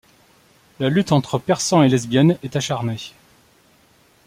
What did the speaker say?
La lutte entre Persans et lesbiennes est acharnée.